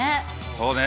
そうね。